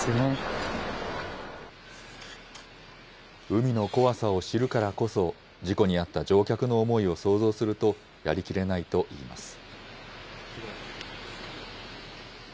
海の怖さを知るからこそ、事故に遭った乗客の思いを想像するとやりきれないといいます。